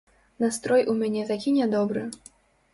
Настрой у мяне такі нядобры.